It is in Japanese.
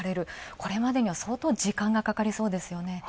それまでには相当時間かかりそうですね。